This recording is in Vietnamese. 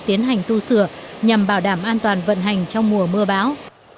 tiến hành tu sửa nhằm bảo đảm an toàn vận hành trong mùa mưa bão